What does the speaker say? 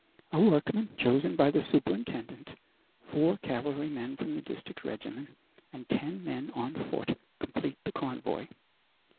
A workman chosen by the superintendent, four cavalrymen from the district regiment, and ten men on foot, complete the convoy.